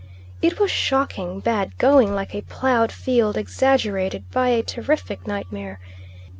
It was shocking bad going like a ploughed field exaggerated by a terrific nightmare.